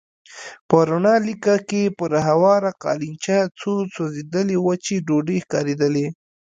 په رڼه لېکه کې پر هواره قالينچه څو سوځېدلې وچې ډوډۍ ښکارېدلې.